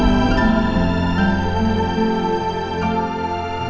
offi noah bingung